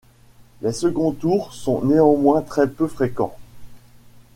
Les second tours sont néanmoins très peu fréquent.